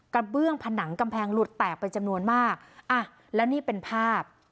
เบื้องผนังกำแพงหลุดแตกไปจำนวนมากอ่ะแล้วนี่เป็นภาพ